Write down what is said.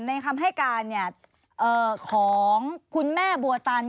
คำให้การของคุณแม่บัวตัน